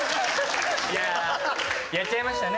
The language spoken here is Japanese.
いややっちゃいましたね